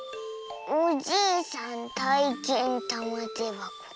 「おじいさんたいけんたまてばこ。